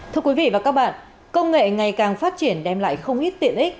thưa quý vị và các bạn công nghệ ngày càng phát triển đem lại không ít tiện ích